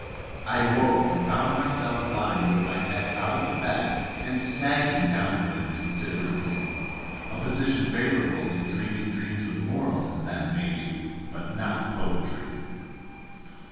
I awoke, and found myself lying with my head out of the bed and "sagging" downward considerably a position favorable to dreaming dreams with morals in them, maybe, but not poetry.